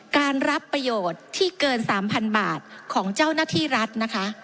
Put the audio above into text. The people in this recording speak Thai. การรับประโยชน์ที่เกิน๓๐๐๐บาทของเจ้าหน้าที่รัฐนะคะ